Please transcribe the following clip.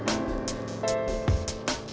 aku sudah sedih